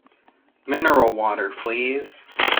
Mineral water please!